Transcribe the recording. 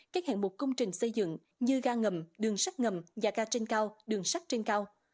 các hạng mục công trình xây dựng như ga ngầm đường sắt ngầm nhà ga trên cao đường sắt trên cao